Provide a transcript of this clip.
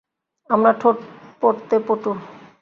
আমরা ঠোঁট পড়তে পটু।